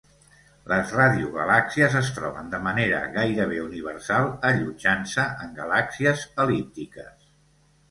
Les radiogalàxies es troben de manera gairebé universal allotjant-se en galàxies el·líptiques.